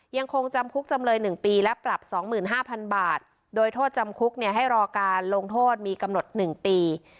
ยังคงจำคุกจำเลยหนึ่งปีและปรับสองหมื่นห้าพันบาทโดยโทษจำคุกเนี่ยให้รอการลงโทษมีกำหนดหนึ่งปี